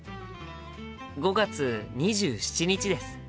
５月２７日です。